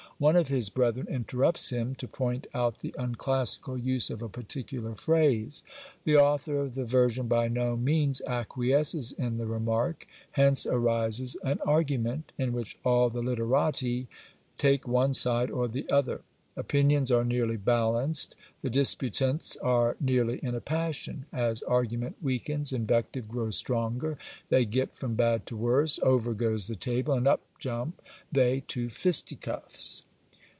One of his brethren interrupts him, to point out the unclassical use of a particular phrase. The author of the version by no means acquiesces in the remark ; hence arises an argument, in which all the literati take one side or the other. Opinions are nearly balanced ; the disputants are nearly in a passion ; as argument weakens, invective grows stronger ; they get from bad to worse ; over goes the table, and up jump they to fisty cuffs.